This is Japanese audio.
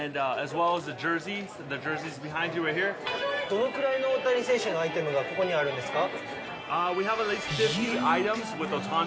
どのくらいの大谷選手のアイテムがここにはあるんですか。